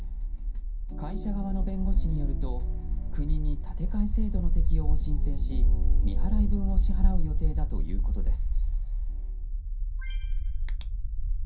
会社側の弁護士によると国に立て替え制度の適用を申請し未払い分を支払う予定だということです。